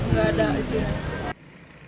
nggak ada aja